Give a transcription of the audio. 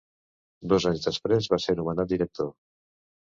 Dos anys després, va ser nomenat director.